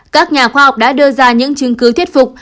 các nhà khoa học đã đưa ra những chứng cứu thiết phục